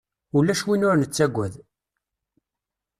Ulac win ur nettaggad